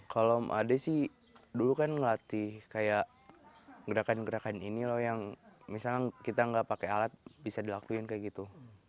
kalau ade sih dulu kan ngelatih kayak gerakan gerakan ini loh yang misalnya kita nggak pakai alat bisa dilakuin kayak gitu